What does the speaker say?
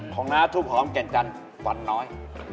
ของน้าถูกหอมแก่นจันทร์ฟันน้อย